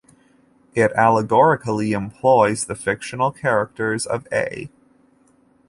It allegorically employs the fictional characters of A.